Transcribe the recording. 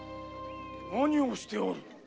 何をしておる。